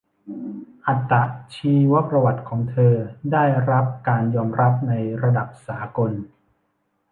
อัตชีวประวัติของเธอได้รับการยอมรับในระดับสากล